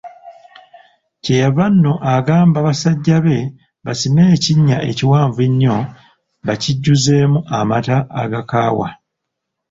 Kye yava nno agamba basajja be basime ekinnya ekiwanvu ennyo bakijjuzeemu amata agakaawa.